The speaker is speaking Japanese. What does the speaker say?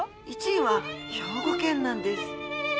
１位は兵庫県なんです